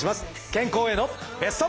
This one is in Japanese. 健康へのベスト。